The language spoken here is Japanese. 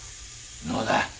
野田。